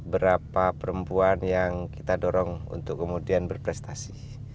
berapa perempuan yang kita dorong untuk kemudian berprestasi